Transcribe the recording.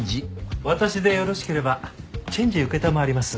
私でよろしければチェンジ承ります。